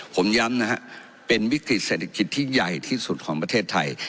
ผมย้ำนะฮะเป็นวิกฤติเศรษฐกิจที่ใหญ่ที่สุดของประเทศไทย